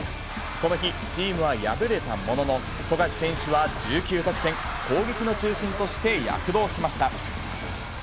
この日、チームは敗れたものの、富樫選手は１９得点、攻撃の中心として躍動しました。